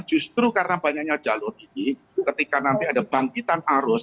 justru karena banyaknya jalur ini ketika nanti ada bangkitan arus